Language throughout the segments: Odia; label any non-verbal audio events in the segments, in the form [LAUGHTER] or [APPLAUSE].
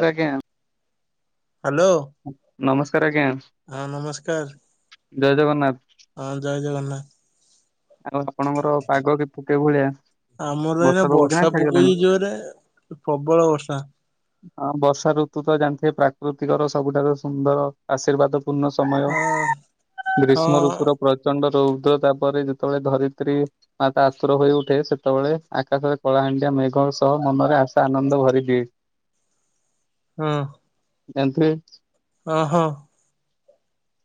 ଆ ଆଜ୍ଞା। ହ୍ୟାଲୋ ନମସ୍କାର ଆଜ୍ଞା। ହଁ ଜୟ ଜଗନ୍ନାଥ। ଆଉ ଜୟ ଜଗନ୍ନାଥ। ଆଉ ଆପଣଙ୍କର ପାଗ କେତେ କେଉଁ ଭଳିଆ ଆମର ଏଇନା ବର୍ଷା ପକାଉଛି ନା ଛାଡିଗଲାଣି? [INAUDIBLE] ପ୍ରବଳ ବର୍ଷା। ହାଁ ବର୍ଷା ଋତୁ ତ ଜାଣିଥିବେ ପ୍ରାକୃତିକର ସବୁଠାରୁ ସୁନ୍ଦର ଆଶୀର୍ବାଦ। ପୂର୍ଣ୍ଣ ସମୟ ହଁ ହଁ ଗ୍ରୀଷ୍ମ ଋତୁ ର ପ ପ୍ରଚଣ୍ଡ ରୁଦ୍ର ତାପରେ ଯେତେବେଳେ ଧରିତ୍ରୀ, ହା ତାତ୍ପର ହୋଇ ଉଠେ ସେତେବେଳେ ଆକାଶରେ କଳାହାଣ୍ଡିଆ ମେଘ ସହ ମନରେ ଆଶା ଆନନ୍ଦ ଭରି ଦିଏ। ହଁ [INAUDIBLE] ଓହୋ,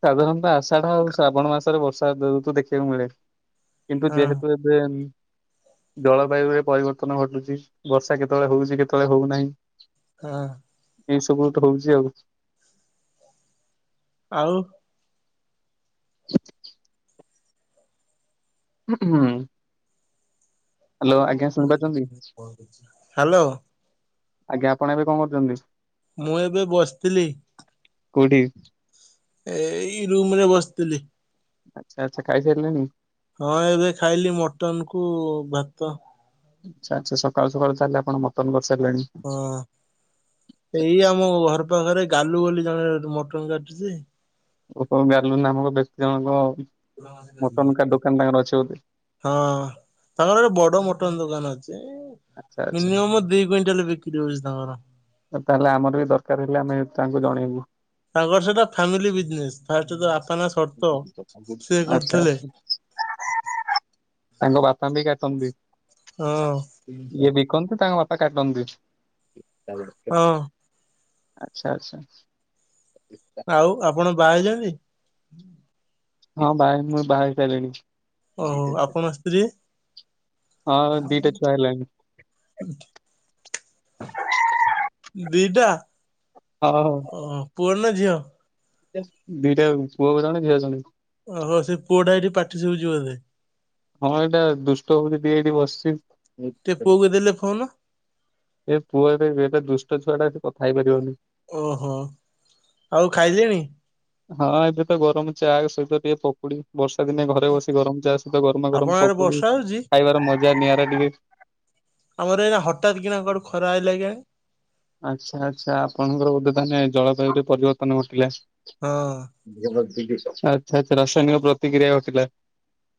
ସାଧାରଣତଃ ଆଷାଢ଼ ଆଉ ଶ୍ରାବଣ ମାସରେ ବର୍ଷା ଋତୁ ଦେଖିବାକୁ ମିଳେ। କିନ୍ତୁ ହଁ ଯେହେତୁ ଏବେ ଯେନ ଜଳବାୟୁ ରେ ପରିବର୍ତ୍ତନ ଘଟୁଛି ବର୍ଷା କେତେବେଳେ ହଉଛି କେତେବେଳେ ହଉନାହିଁ। ହଁ। ଏଇ ସବୁ ତୋ ହଉଛି ଆଉ। ଆଉ। ହଁ ହୁଁ। ଶୁଣିପାରୁଛନ୍ତି? ହାଲୋ। ଆଜ୍ଞା ଆପଣ ଏବେ କଣ କରୁଛନ୍ତି? ମୁଁ ଏବେ ବସିଥିଲି। କଉଠି? ଏଇ ରୁମରେ ବସିଥିଲି। ଆଚ୍ଛା ଆଚ୍ଛା, ଖାଇସାରିଲେଣି? ହଁ ଏବେ ଖାଇଲି ମଟନ କୁ ଭାତ। ଆଚ୍ଛା ଆଚ୍ଛା, ସକାଳୁ ସକାଳୁ ତାହେଲେ ଆପଣ ମଟନ କରିସାରିଲେଣି। ହଁ, ଏଇ ଆମ ଘର ପାଖରେ ଗାଲୁ ବୋଲି ଜଣେ ମଟନ କାଟୁଛି। ଓହୋ, ଗାଲୁ ନାମକ ବ୍ୟକ୍ତି ଜଣଙ୍କ ମଟନକା ଦୋକାନ ତାଙ୍କର ଅଛି ବୋଧେ। ହଁ, ତାଙ୍କର ବଡ ମଟନ ଦୋକାନ ଅଛି ଆଚ୍ଛା ଆଚ୍ଛା ମିନିମମ୍ ଦି କ୍ୱିଣ୍ଟଲ ବିକ୍ରି ହଉଛି ତାଙ୍କର। ଅର ତାହେଲେ ଆମର ବି ଦରକାର ହେଲେ ଆମେ ତାଙ୍କୁ ଜଣେଇବୁ। ତାଙ୍କର ସେଟା ଫ୍ୟାମିଲି ବିଜନେସ, ଫାଷ୍ଟ ତା ବାପା ନା ଶରତ ସେ ଆଚ୍ଛା କରିଥିଲେ। ତାଙ୍କ ବାପା ବି କାଟନ୍ତି? ହଁ। [INAUDIBLE] ତାଙ୍କ ବାପା କାଟୁଛନ୍ତି, ହଁ। ଆଚ୍ଛା ଆଚ୍ଛା। ଆଉ ଆପଣ ବାହା ହେଇଛନ୍ତି? ହଁ ବାହା ମୁଁ ବାହା ହେଇସାରିଲିଣି। ଓ ହୋ, ଆପଣ ସ୍ତ୍ରୀ? ହଁ ଆଉ ଦି ଟା ଛୁଆ ହେଲାଣି। ଦି ଟା, ହଁ ହଁ। ଓହୋ ପୁଅ ନା ଝିଅ? ଦିଟା ପୁଅ ଜଣେ ଝିଅ ଜଣେ। ଓହୋ ସେ ପୁଅଟା ଏଇଠି ପାଟି ସୁବୁଛି ବୋଧେ? ହଁ ଏଇଟା ଦୁଷ୍ଟହଉଛି ଟିକେ ଏଇଠି ବସିଛି। ଟିକେ ପୁଅକୁ ଦେଲେ ଫୋନ ଏ ପୁଅ ଏତେ ଏଟା ଦୁଷ୍ଟ ଛୁଆଟା ଏଠି କଥା ହେଇପାରିବନି। ଓହୋ, ଆଉ ଖାଇଲେଣି? ହଁ ଏବେ ତ ଗରମ ଚା ସହିତ ଟିକେ ପକୁଡି, ବର୍ଷା ଦିନେ ଘରେ ବସି ଗରମ ଚାହା ସହିତ ଗରମା ଗରମ ଆପଣଙ୍କ ଆଡେ ପକୁଡି ବର୍ଷା ହଉଛି ଖାଇବାର ମଜା ନିଆରା ଟିକେ। ଆମର ଏଇନା ହଠାତ୍ କିନା କୁଆଡୁ ଖରା ଆଇଲା କେଜାଣି। ଆଚ୍ଛା ଆଚ୍ଛା, ଆପଣଙ୍କର ବୋଧେ ମାନେ ଜଳବାୟୁ ଟିକେ ପରିବର୍ତ୍ତନ ଘଟିଲା। ହଁ। ଆଚ୍ଛା ଆଚ୍ଛା, ରାସାୟନିକ ପ୍ରତିକ୍ରିୟା ଘଟିଲା।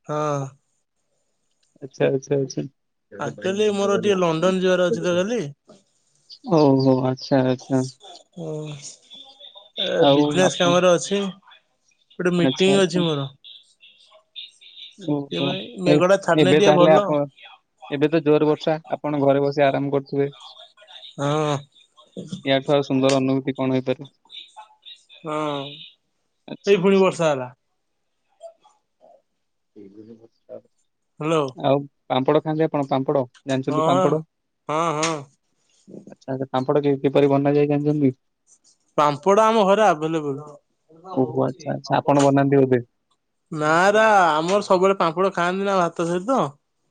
ହ। ଆଚ୍ଛା ଆଚ୍ଛା ଆଚ୍ଛା। ଆକ୍ଚୁଆଲି ମୋର ଟିକେ ଲଣ୍ଡନ ଯିବାର ଅଛି ତ କାଲି। ଓହୋ ଆଚ୍ଛା ଆଚ୍ଛ୍। ଏ ଆଉ ବିଜନେସ୍ ଆପଣ କାମରେ ଅଛି। ଗୋଟେ ଆଚ୍ଛା ମିଟିଂ ଆଚ୍ଛା ଅଛି ମୋର। ଓହୋ ସେଥିପାଇଁ ଏ ମେଘ ଟା ଛାଡନେ ଏବେ ଟିକେ ତାହେଲେ ଭଲ। ଆପଣ ଏବେ ତ ଜୋରେ ବର୍ଷା। ଆପଣ ଘରେ ବସି ଆରାମ କରୁଥିବେ। ହଁ। ଠୁ ଆଉ ସୁନ୍ଦର ଅନୁଭୂତି କଣ ହୋଇପାରିବ। ହଁ ଆଚ୍ଛା ଏଇ ଫୁଣି ଆଚ୍ଛା। ବର୍ଷା ହେଲା। କେଇଦିନି ବର୍ଷା ହବ। ହାଲୋ। ଆଉ ପାମ୍ପଡ ଖାଆନ୍ତି ଆପଣ ପାମ୍ପଡ଼? ଜାଣିଚନ୍ତି ପାମ୍ପଡ଼? ହଁ ହଁ ଆଚ୍ଛା ଆଚ୍ଛା ପାମ୍ପଡ କି କିପରି ବନାଯାଏ ଜାଣିଚନ୍ତି? ପାମ୍ପଡ ଆମ ଘରେ ଆବେଲେବଲ୍। ଓହ ଆଚ୍ଛା ଆଚ୍ଛା ଆପଣ ବନାନ୍ତି ବୋଧେ। ନାରା ଆମର ସବୁବେଳେ ପାମ୍ପଡ଼ ଖାଆନ୍ତିନା ଭାତ ସହିତ।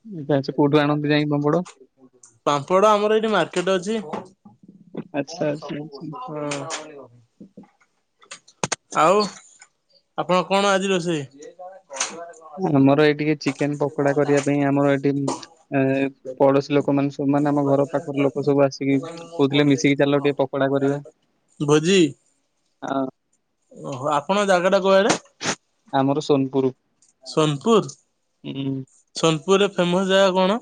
ଉଁ ଆଚ୍ଛା ଆଚ୍ଛା କୋଉଠୁ ଆଣନ୍ତି ଯାଇଁ ପାମ୍ପଡ? ପାମ୍ପଡ ଆମର ଏଇଠି ମାର୍କେଟ୍ ଅଛି। ଆଚ୍ଛା ଆଚ୍ଛା ଆଚ୍ଛା ଆଉ ଆପଣ କଣ ଆଜି ରୋଷେଇ? କ ଆମର ଏଇ ଟିକେ ଚିକେନ ପକୋଡା କରିବା ପାଇଁ ଆମର ଏଠେଇଁ ଏଁ ପଡୋଶୀ ଲୋକ ମାନେ ସେମାନେ ଆମ ଘର ପାଖର ଲୋକ ସବୁ ଆସିକି କହୁଥିଲେ ମିଶିକି ଚାଲ ଟିକେ ପକୋଡା କରିବା। ଭୋଜି। ଆଁ। ଓହୋ ଆପଣଙ୍କ ଜାଗା ଟା କୁଆଡେ? ଆମର ସୋନପୁରୁ। ସୋନପୁର, ସୋନପୁରରେ ଫେମସ୍ ଜାଗା କଣ?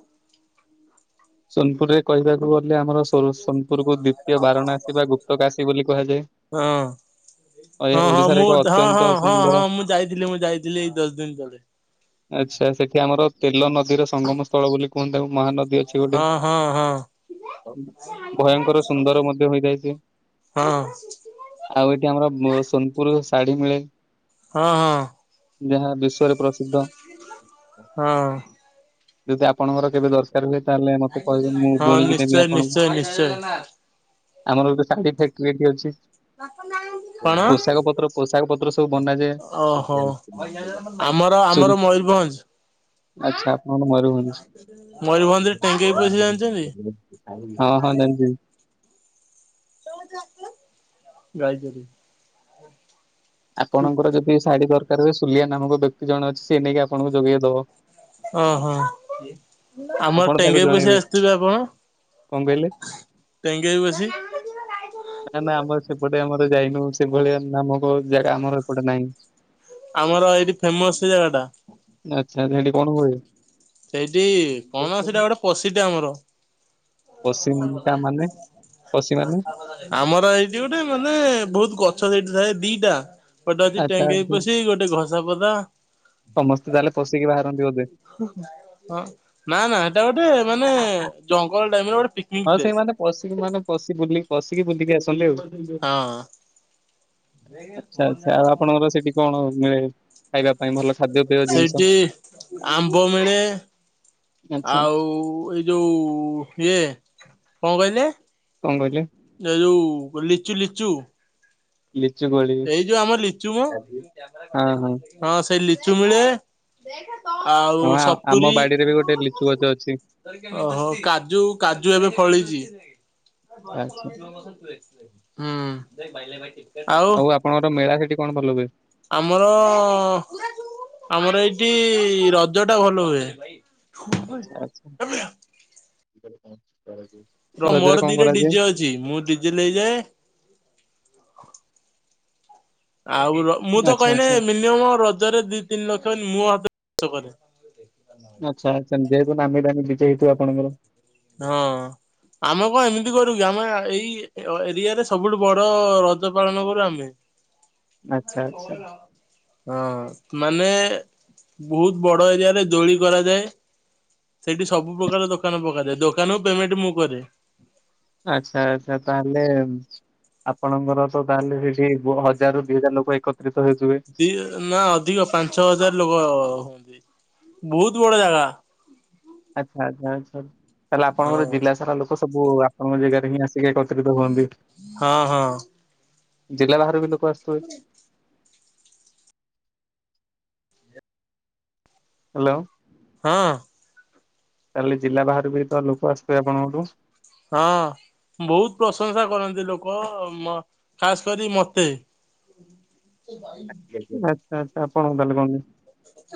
ସୋନପୁରରେ କହିବାକୁ ଗଲେ ଆମର ମୋର ସୋନପୁରକୁ ଦୁ ତିଏ ବାରଣାସୀ ବା ଗୁପ୍ତକାଶୀ ବୋଲି କୁହାଯାଏ। ହଁ। ଓ ଏ ହଁ ହଁ ଓଡ଼ିଶାର ମୁଁ ଏକ ହଁ ଅତ୍ୟନ୍ତ ହଁ ହଁ ସୁନ୍ଦର ହଁ ମୁଁ ଯାଇଥିଲି ମୁଁ ଯାଇଥିଲି ଏଇ ଦଶ ଦିନ ତଳେ। ଆଚ୍ଛା ସେଠି ଆମର ତେଲ ନଦୀର ସଙ୍ଗମ ସ୍ଥଳ ବୋଲି କୁହନ୍ତି ତାକୁ ମହାନଦୀ। ଅଛି ଗୋଟେ। ହଁ ହଁ ହଁ। ଭୟଙ୍କର ସୁନ୍ଦର ମଧ୍ୟ ହୋଇଥାଏ ସେ। ହଁ। ଆଉ ଏଠି ଆମର ମୋ ସୋନପୁରୁ ଶାଢୀ ମିଳେ। ହଁ ହଁ। ଯାହା ବିଶ୍ଵରେ ପ୍ରସିଦ୍ଧ। ହଁ। ଯଦି ଆପଣଙ୍କର କେବେ ଦରକାର ହୁଏ ତାହେଲେ ମତେ କହିବେ ମୁଁ ହଁ ବୁଣିକି ଦେବି ନିଶ୍ଚୟ ଆପଣଙ୍କୁ। ନିଶ୍ଚୟ ନିଶ୍ଚୟ। ଆମର ଗୋଟେ ଶାଢୀ ଫ୍ୟାକ୍ଟ୍ରି ଏଠି ଅଛି। କଣ? ପୋଷାକ ପତ୍ର ପୋଷାକ ପତ୍ର ସବୁ ବନାଯାଏ। ଓହୋ। ଆମର ଚୁନ୍ ଆମର ମୟୂରଭଞ୍ଜ୍। ଆଚ୍ଛା ଆପଣ [UNINTELLIGIBLE] ମୟୁରଭଞ୍ଜ। ମୟୂରଭଞ୍ଜରେ ଟେଙ୍ଗେଇ ପୋଷି ଜାଣିଛନ୍ତି? ହଁ ହଁ ନିଅନ୍ତି। ଗାଈ ଚରେଇ। ଆପଣଙ୍କର ଯଦି ଶାଢୀ ଦରକାର ହୁଏ ସୁଲିଆ ନାମକ ବ୍ୟକ୍ତି ଜଣେ ଅଛି ସିଏ ନେଇକି ଆପଣଙ୍କୁ ଯୋଗେଇ ଦବ। ଅ ହଁ। ଆମର ଆପଣ ତାକୁ ଟେଙ୍ଗେଇ ପୋଷି ଜଣେଇବେ ଆସିଥିବେ ଆପଣ କଣ କହିଲେ? ଟେଙ୍ଗେଇ ପୋଷି। ନା ନା ଆମର ସେପଟେ ଆମର ଯାଇନୁ ସେଭଳିଆ ନାମକ ଜାଗା ଆମର ଏପଟେ ନାଇ। ଆମର ଏଇଠି ଫେମସ୍ ଜାଗା ଟା। ଆଚ୍ଛା ସେଇଠି କଣ ହୁଏ? ସେଇଠି କଣ ସେଇଟା ଗୋଟେ ପଶିଟି ଆମର। ପଶିିମ ଟା ମାନେ ପଶି ମାନେ? ଆମର ଏଇଠି ଗୋଟେ ମାନେ ବହୁତ ଗଛ ସେଇଠି ଥାଏ ଦିଟା। ଗୋଟେ ଅଛି ଆଚ୍ଛା ଟେଇଟେଇ ପଶି ଗୋଟେ ଘସା ପଦା। ସମସ୍ତେ ତାହେଲେ ପଶିକି ବାହାରନ୍ତି ବୋଧେ। ହଁ ନା ନା ହେଇଟା ଗୋଟେ ମାନେ ଜଙ୍ଗଲ ଟାଇମରେ ଗୋଟେ ପିକ୍ ହଁ ସେଇମାନେ ପଶିକି ମାନେ ପଶି ବୁଲିକି ପଶିକି ବୁଲିକି ଆସନ୍ତି ଆଉ। ହଁ ଆଛା ଆଛା ଆଉ ଆପଣଙ୍କର ସେଠି କଣ ମିଳେ? ଖାଇବା ପାଇଁ ଭଲ ଖାଦ୍ୟପେୟ ଜିନିଷ ସେଇଠି ଆମ୍ବ ମିଳେ। ଆଚ୍ଛା ଆଉ ଏଇ ଯୋଉ ଇଏ କଣ କହିଲେ? କଣ କହିଲେ? ଏ ଯୋଉ ଲିଚୁ ଲିଚୁ ଲିଚୁ ଗୋଳି ଏଇ ଯୋଉ ଆମ ଲିଚୁ ମ ହଁ ହଁ। ହଁ ସେଇ ଲିଚୁ ମିଳେ। ଆଉ ହଁ ଆମ ସପୁରୀ ବାଡିରେ ବି ଗୋଟେ ଲିଚୁ ଗଛ ଅଛି ଓହୋ କାଜୁ କାଜୁ ଏବେ ଫଳିଛି। ଆଚ୍ଛା ହୁଁ ଆଉ କଣ ଗୋଟେ ମେଳା ସେଠି କଣ ଭଲ ହୁଏ? ଆମର ଅ ଆମର ଏଇଠି ରଜ ଟା ଭଲ ହୁଏ। ଆଛା ଆଛା। ମୋର ଦିରେ ଡିଜେ ଅଛି ମୁଁ ଡିଜେ ନେଇଇଯାଏ ଆଉ ଅ ମୁଁ ତ ଆଚ୍ଛା କହିଲେ ଆଚ୍ଛା। ମିନିମମ ରଜରେ ଦି ତିନି ଲକ୍ଷ ମୋ ହାତରେ ଖର୍ଚ୍ଚ କରେ। ଆଚ୍ଛା ସେମିତି ହେଲେ ନାମି ଦାମୀ ବିଜେ ହେଇ ଥିବେ ଆପଣଙ୍କର। ହଁ। ଆମେ କଣ ଏମିତି କରୁ କି ଆମେ ଏଇ ଏରିଆରେ ସବୁଠୁ ବଡ ରଜ ପାଳନ କରୁ ଆମେ। [INAUDIBLE] ଆ ଆଚ୍ଛା। କର ନା ହଁ ମାନେ ବହୁତ ବଡ ଏରିଆ ରେ ଦୋଳି କରାଯାଏ। ସେଇଠି ସବୁ ପ୍ରକାର ଦୋକାନ ପକାଯାଏ ଦୋକାନ ପେମେଣ୍ଟ ମୁଁ କରେ। ଆଚ୍ଛା ଆଚ୍ଛା ତାହେଲେ ଆପଣଙ୍କର ତ ତାହେଲେ ସେଠି ହଜାରରୁ ଦିଇ ହଜାର ଲୋକ ଏକତ୍ରିତ ହଉଥିବେ। ଦି ନା ଅଧିକ ପାଞ୍ଚ ଛଅ ହଜାର ଲୋକ ହୁଅନ୍ତି ବହୁତ ବଡ ଜାଗା। ଆଚ୍ଛା ଆଚ୍ଛା ଆଚ୍ଛା ତାହେଲେ ହଁ ଆପଣଙ୍କର ଜିଲ୍ଲା ସାରା ଲୋକ ସବୁ ଆପଣଙ୍କ ଜାଗାରେ ହିଁ ଆସି ଟିକେ ଏକତ୍ରିତ ହୁଅନ୍ତି ହଁ ହଁ ଜିଲ୍ଲା ବାହାରୁ ବି ଲୋକ ଆସୁଥିବେ? ହ୍ୟାଲୋ। ହଁ। ତାହେଲେ ଜିଲ୍ଲା ବାହାରୁ ବି ତ ଲୋକ ଆସୁଥିବେ ଆପଣଙ୍କର? ହଁ। ବହୁତ ପ୍ରଶଂସା କରନ୍ତି ଲୋକ ମ ଖାସ କରି ମତେ। କି କ [UNINTELLIGIBLE] ଆଚ୍ଛା ଆଚ୍ଛା ଆପଣଙ୍କୁ ତାହେଲେ [UNINTELLIGIBLE]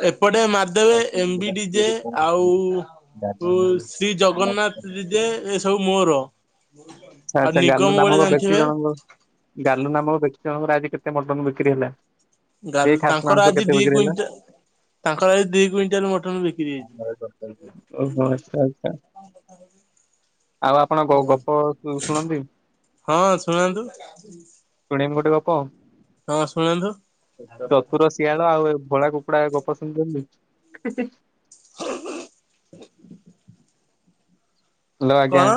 ଏପଟେ ମାଦୁ ଦେବେ ଏମ୍ ବି ଡିଜେ ଆଉ ଯୁ ଶ୍ରୀ ଜଗନ୍ନାଥ ଡିଜେ ଏସ୍ ସବୁ ମୋର। ଆଛା ଆଉ ଆଛା ଗାଲୁ ନିଗମ ଗୋଟେ ନାମକ ବ୍ୟକ୍ତି ଜାଣିଥିବେ ଜଣଙ୍କ ଗାଲୁ ନାମକ ବ୍ୟକ୍ତି ଜଣଙ୍କର ଆଜି କେତେ ମଟନ ବିକ୍ରି ହେଲା? ସେଇ ଗାଲୁ ଖାସି ତାଙ୍କର ମାଂସ ଆଜି କେତେ ଦି ବିକ୍ରି ହେଲା କୁଇଣ୍ଟାଲ ତାଙ୍କର ଆଜି ଦି କୁଇଣ୍ଟାଲ ମଟନ ବିକ୍ରି ହେଇଛି। ଓହୋ ଆଚଛା ଆଚ୍ଛା ଆଉ ଆପଣ ହଁ ଗପ ଶୁଣନ୍ତି ହଁ ଶୁଣାନ୍ତୁ। ଶୁଣେମୀ ଗଟେ ଗପ। ହଁ ଶୁଣାନ୍ତୁ। ଚତୁର ଶିଆଳ ଆଉ ଭୋଳା କୁକୁଡା ଗପ ଶୁଣିଛନ୍ତି? [INAUDIBLE] ହଲୋ ଆଜ୍ଞା କଣ?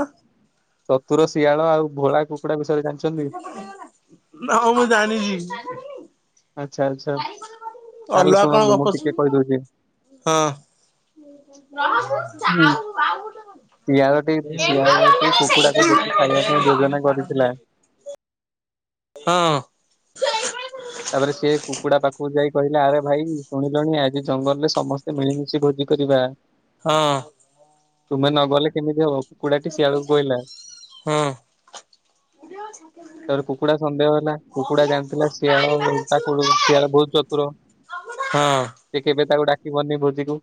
ଚତୁର ଶିଆଳ ଆଉ ଭୋଳା କୁକୁଡ଼ା ବିଷୟରେ ଜାଣି ନାଁ ମୁଁ ଜାଣିନି। ଆଚ୍ଛା ଆଚ୍ଛା ତାହେଲେ ଅଲଗା କଣ ଶୁଣନ୍ତୁ ଗପ ମୁଁ ଶୁ ଟିକେ କହିଦଉଛି। ହଁ। ହୁଁ। [INAUDIBLE] ଶିଆଳଟି ଶିଆଳଟି କୁକୁଡାକୁ ଦେଖି ଖାଇବା ପାଇଁ ଯୋଜନା କରିଥିଲା। ହଁ। ତାପରେ ସିଏ କୁକୁଡା ପାଖକୁ ଯାଇ କହିଲା ଆରେ ଭାଇ ଶୁଣିଲୁଣି ଆଜି ଜଙ୍ଗଲରେ ସମସ୍ତେ ମିଳିମିଶି ଭୋଜି କରିବା। ହଁ। ତୁମେ ନଗଲେ କେମିତି ହବ କୁକୁଡ଼ାଟି ଶିଆଳକୁ କହିଲା। ହଁ ତାପରେ କୁକୁଡା ସନ୍ଦେହ ହେଲା କୁକୁଡା ଜାଣିଥିଲା [INAUDIBLE] ଶିଆଳ ଲଟାକୁ ଶିଆଳ ବହୁତ ଚତୁର ହଁ ସେ କେବେ ତାକୁ ଡାକି ପାରୁନି ଭୋଜିକୁ।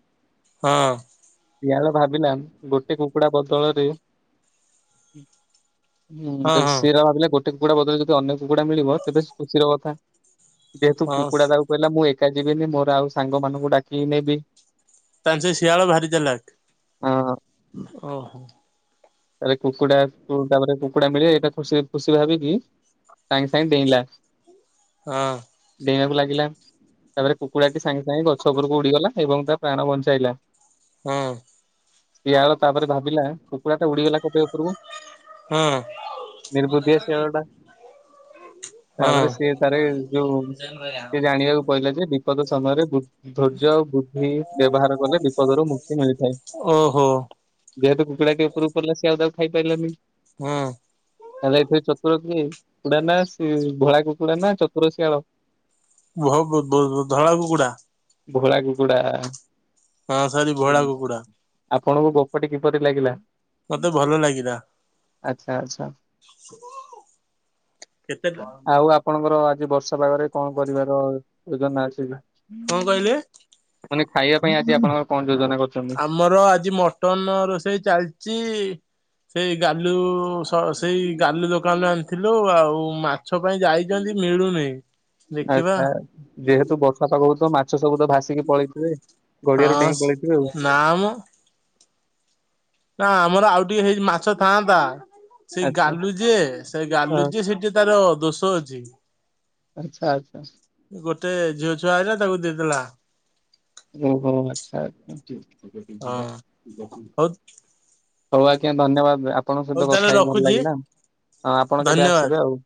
ହଁ। ଶିଆଳ ଭାବିଲା ଗୋଟେ କୁକୁଡା ବଦଳରେ ହୁଁ ହଁ ଯଦି ହଁ ସେରା ଭାବିଲା ଗୋଟେ କୁକୁଡା ବଦଳରେ ଯଦି ଅନେକ କୁକୁଡା ମିଳିବ ତେବେସ-ଖୁସିର କଥା। ଯେହେତୁ ହଁ କୁକୁଡ଼ା ତାକୁ କହିଲା ମୁଁ ଏକା ଯିବିନି ମୋର ଆଉ ସାଙ୍ଗମାନଙ୍କୁ ଡାକିକି ନେବି ତାହେଲେ ଶିଆଳ ଭାରି ଚାଲାକ୍। ହଁ ଓହୋ। ତାହାଲେ କୁକୁଡାକୁ ଗାମରେ କୁକୁଡା ମିଳେ ଏଇଟା ଖୁସି ଖୁସି ଭାବିକି ସାଙ୍ଗେ ସାଙ୍ଗେ ଡେଇଁଲା। ହଁ। ଡେଇଁବାକୁ ଲାଗିଲା। ତାପରେ କୁକୁଡ଼ା ଟି ସାଙ୍ଗେ ସାଙ୍ଗେ ଗଛ ଉପରକୁ ଉଡିଗଲା ଏବଂ ତା ପ୍ରାଣ ବଞ୍ଚାଇଲା। ହଁ। ଶିଆଳ ତାପରେ ଭାବିଲା କୁକୁଡ଼ା ଟା ଉଡିଗଲା‌ କୋକେଇ ଉପରକୁ। ହଁ। ନିର୍ବୁଧିଆ ଶିଆଳ ଟା। ହଁ ତାପରେ ସିଏ ତାରେ ଯୋଉ ସେ ଜାଣିବାକୁ ପାଇଲା ଯେ ବିପଦ ସମୟରେ ବୁ ଧୈର୍ଯ୍ୟ ଆଉ ବୁଦ୍ଧି ବ୍ୟବହାର କଲେ ବିପଦରୁ ମୁକ୍ତି ମିଳିଥାଏ। ଓହୋ ହୁଁ ଯେହେତୁ କୁକୁଡ଼ା କି ଉପୁରୁ ପଡ଼ିଲା ସେ ଆଉ ତାକୁ ଖାଇ ପାରିଲାନି। ତାହେଲେ ଏଥିରେ ଚତୁର କିଏ? କୁକୁଡ଼ା ନା ଶି- ଭଳା କୁକୁଡ଼ା ନା ଚତୁର ଶିଆଳ? ଭ -ଧଳା କୁକୁଡା। ଭୋଳା କୁକୁଡ଼ା। ହଁ ସରି ଭୋଳା କୁକୁଡା ଆପଣଙ୍କୁ ଗୋପଟି କିପରି ଲାଗିଲା? ମତେ ଭଲ ଲାଗିଲା। ଆଚ୍ଛା ଆଚ୍ଛା। କେତେ ଆଉ କଣ ଆପଣଙ୍କର ଆଜି ବର୍ଷାପାଗରେ- କଣ କରିବାର ଯୋଜନା ଅଛିନା- କଣ କହିଲେ? ମାନେ ଖାଇବା ପାଇଁ ଆଜି ଆପଣଙ୍କ କଣ ଯୋଜନା କରୁଛନ୍ତି? ମର ଆଜି ମଟନ ରୋଷେଇ ଚାଲିଚି ସେଇ ଗାଲୁ- ସ ସେଇ ଗାଲୁ ଦୋକାନରୁ ଆଣିଥିଲୁ ଆଉ ମା ଗଛ ପାଇଁ ଯାଇଚନ୍ତି ମିଳୁନେଇ। ଆଚ୍ଛା ଯେହେତୁ ବର୍ଷା ପାଗ ହଉତ ମାଛ ସବୁ ତ ଭାସି ଟିକେ ପଳେଇଥିବେ ହଁ ଗଡ଼ିଆରୁ ଡେଇଁ ପଳେଇଥିବେ ଆଉ। ନା ମ। ନା ଆମର ଆଉ ଟିକେ ହେଇ ମାଛ ଥାଆନ୍ତା ସେ ଆଚ୍ଛା ଗାଲୁ ଯିଏ ସେ ହଁ ଗାଲୁ ଯିଏ ସେ ଟିକେ ତାର ଦୋଷ ଅଛି। ଆଚ୍ଛା ଆଚ୍ଛା। ଗୋଟେ ଝିଅ ଛୁଆ ଆଇଲା ତାକୁ ଦେଇଦେଲା। ଓହୋ ଆଚ୍ଛା। ହଁ। ହଉ ହଉ ଆଜ୍ଞା ଧନ୍ୟବାଦ ଆପଣଙ୍କ ହଉ ସହିତ ତାହେଲେ କଥା ହେଇକି ଭଲ ରଖୁଛି ଲାଗିଲା। ହଁ ଆପଣ କେବେ ଧନ୍ୟବାଦ ଆସିବେ ଆଉ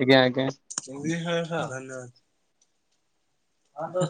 ଆଜ୍ଞା ଆଜ୍ଞା। [UNINTELLIGIBLE] ଧନ୍ୟବାଦ୍। ହଁ ତ ସେ